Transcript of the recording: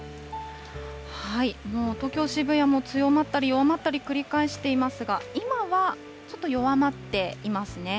もう東京・渋谷も強まったり弱まったり繰り返していますが、今はちょっと弱まっていますね。